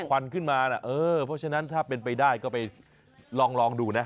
ควันขึ้นมานะเออเพราะฉะนั้นถ้าเป็นไปได้ก็ไปลองดูนะ